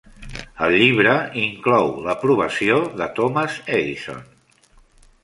El llibre inclou l'aprovació de Thomas Edison.